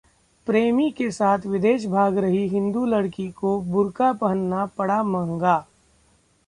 प्रेमी के साथ विदेश भाग रही हिंदू लड़की को बुर्का पहनना पड़ा महंगा